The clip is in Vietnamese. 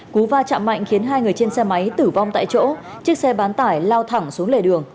cú va chạm mạnh khiến hai người trên xe máy tử vong tại chỗ chiếc xe bán tải lao thẳng xuống lề đường